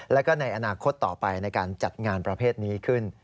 แล้วก็ในอนาคตต่อไปในการจัดงานประเภทนี้ขึ้น